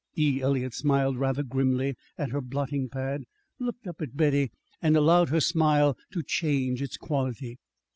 E. Eliot smiled rather grimly at her blotting pad, looked up at Betty, and allowed her smile to change its quality.